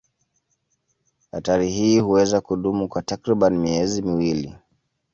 Hatari hii huweza kudumu kwa takriban miezi miwili.